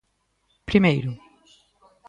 Primeiro: